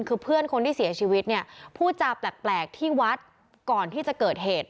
คือเพื่อนคนที่เสียชีวิตเนี่ยพูดจาแปลกที่วัดก่อนที่จะเกิดเหตุ